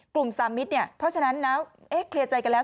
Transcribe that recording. กลุ่มสามิทร์เนี่ยเพราะฉะนั้นเคลียร์ใจกันแล้ว